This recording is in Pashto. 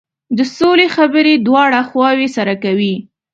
د سولې خبرې دواړه خواوې سره کوي.